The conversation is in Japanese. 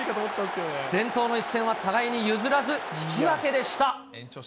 伝統の一戦は互いに譲らず引き分けでした。